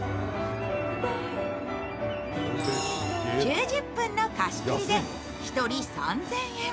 ９０分の貸し切りで１人３０００円。